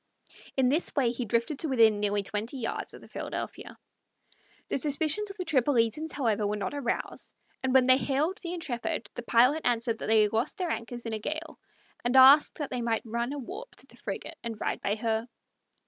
In this way he drifted to within nearly twenty yards of the Philadelphia. The suspicions of the Tripolitans, however, were not aroused, and when they hailed the Intrepid, the pilot answered that they had lost their anchors in a gale, and asked that they might run a warp to the frigate and ride by her.